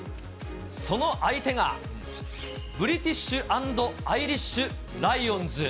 その相手が、ブリティッシュ＆アイリッシュ・ライオンズ。